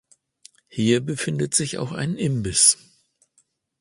Hier befindet sich auch ein Imbiss.